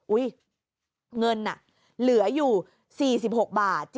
เงินเหลืออยู่๔๖บาท